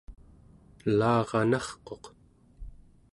elaranarquq